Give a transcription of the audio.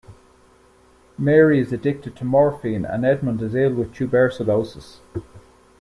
Mary is addicted to morphine and Edmund is ill with tuberculosis.